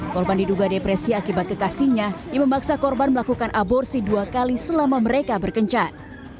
korban diduga depresi akibat kekasihnya yang memaksa korban melakukan aborsi dua kali selama mereka berkencan